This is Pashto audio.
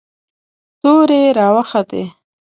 تورې را وختې.